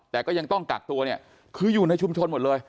แต่ก็ยังต้องกักตัวเนี่ยคืออยู่ในชุมชนหมดเลย